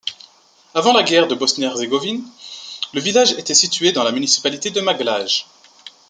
Avant la guerre de Bosnie-Herzégovine, le village était situé dans la municipalité de Maglaj.